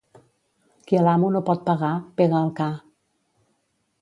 Qui a l'amo no pot pegar, pega al ca.